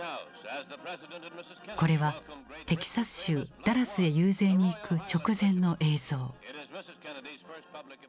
これはテキサス州ダラスへ遊説に行く直前の映像。